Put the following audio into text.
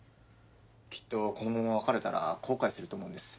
きっとこのまま別れたら後悔すると思うんです。